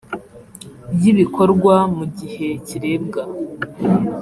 y ibikorwa mu gihe kirebwa